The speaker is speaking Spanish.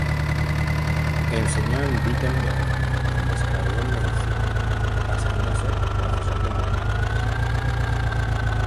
Enseñó en Wittenberg, donde se graduó en medicina, pasando a ser profesor de matemáticas.